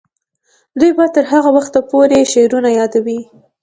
دوی به تر هغه وخته پورې شعرونه یادوي.